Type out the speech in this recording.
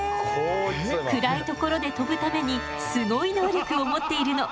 暗いところで飛ぶためにすごい能力を持っているの。